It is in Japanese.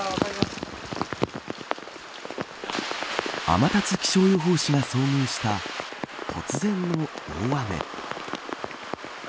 天達気象予報士が遭遇した突然の大雨。